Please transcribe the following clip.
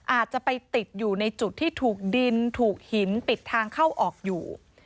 อาจจะไปติดอยู่ในจุดที่ถูกดินถูกหินปิดทางเข้าออกอยู่